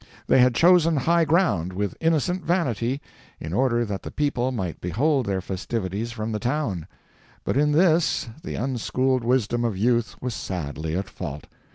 They had chosen high ground, with innocent vanity, in order that the people might behold their festivities from the town—but in this the unschooled wisdom of youth was sadly at fault.